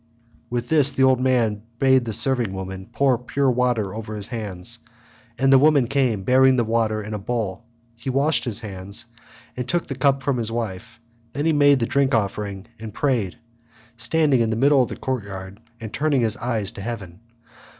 With this the old man bade the serving woman pour pure water over his hands, and the woman came, bearing the water in a bowl. He washed his hands and took the cup from his wife; then he made the drink offering and prayed, standing in the middle of the courtyard and turning his eyes to heaven.